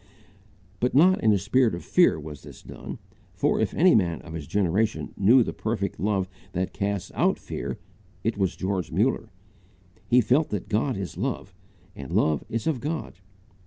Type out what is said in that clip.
But not in a spirit of fear was this done; for if any man of his generation knew the perfect love that casts out fear, it was George Muller. He felt that God is love, and love is of God.